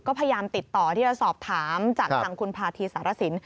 ก็พยายามติดต่อที่จะสอบถามจากทางคุณพาธีสารสิน